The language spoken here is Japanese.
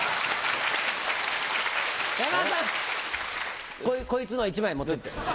山田さんこいつの１枚持ってって。